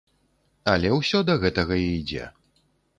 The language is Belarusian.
Але ўсё да гэтага і ідзе.